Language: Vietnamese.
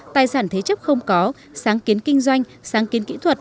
tài sản thế chấp không có sáng kiến kinh doanh sáng kiến kỹ thuật